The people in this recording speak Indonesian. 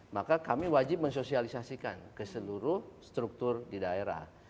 maka kami wajib mensosialisasikan ke seluruh struktur di daerah